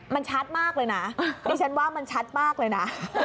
มันชัดมากเลยนะดิฉันว่ามันชัดมากเลยนะ